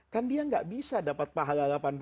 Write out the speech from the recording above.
kan dia gak bisa dapat pahala